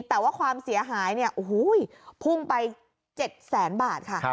แต่ว่าความเสียหายเนี่ยอู้หู้ยพุ่งไปเจ็ดแสนบาทค่ะ